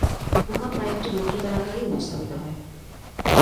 উহা প্রায় একটি বক্তৃতার আকারেই উপস্থাপিত হয়।